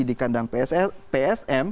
di kandang psm